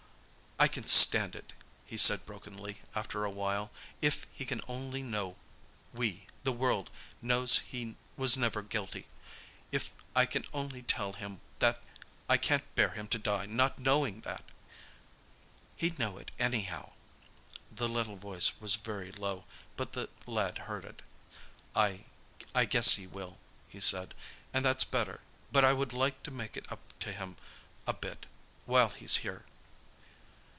"I can stand it," he said brokenly, after a little, "if he can only know we—the world—knows he was never guilty—if I can only tell him that. I can't bear him to die not knowing that." "He'd know it anyhow." The little voice was very low, but the lad heard it. "I—I guess he will," he said, "and that's better. But I would like to make it up to him a bit—while he's here."